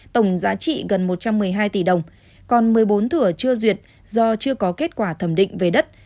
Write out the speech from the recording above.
tổng giá trị gần một trăm một mươi hai tỷ đồng còn một mươi bốn thửa chưa duyệt do chưa có kết quả thẩm định về đất